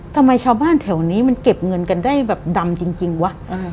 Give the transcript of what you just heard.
ทำไมชาวบ้านแถวนี้มันเก็บเงินกันได้แบบดำจริงวะ